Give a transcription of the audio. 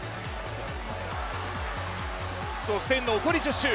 そして、残り１０周